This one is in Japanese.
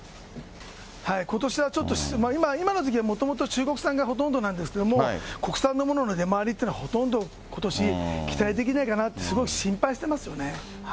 ことしはちょっと、今の時期はもともと中国産がほとんどなんですけれども、国産のものの出回りっていうのは、ほとんど、ことし期待できないかなって、すごい心配してますよね。